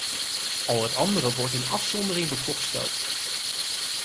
Al het andere wordt in afzondering bekokstoofd.